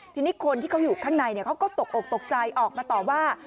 ทีนี้คนที่เขาอยู่ข้างในเขาก็ตกอกตกใจออกมาต่อว่า